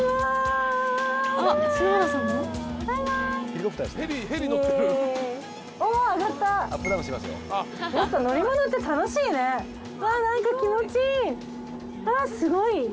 すごい。